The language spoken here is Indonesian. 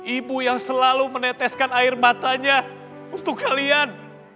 ibu yang selalu meneteskan air matanya untuk kalian